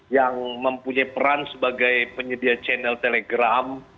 yang mempunyai peran sebagai penyedia channel telegram